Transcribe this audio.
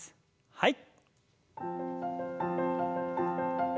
はい。